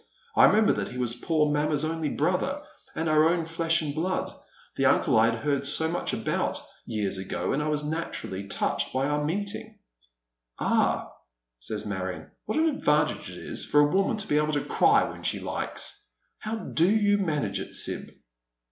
I remembered that he was poor mamma's only brother, and our own flesh and blood, the uncle I had heard so much about years ago, and I was natm^ally touched by our meeting." " Ah," says Marion, " what an advantage it is for a woman to be able to cry when she likes ! How do you manage it. Sib